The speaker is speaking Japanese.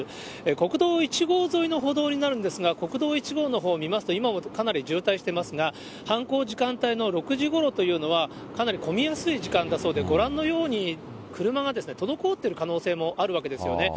国道１号沿いの歩道になるんですが、国道１号のほう見ますと、今もかなり渋滞してますが、犯行時間帯の６時ごろというのは、かなり混みやすい時間だそうで、ご覧のように、車が滞っている可能性もあるわけですよね。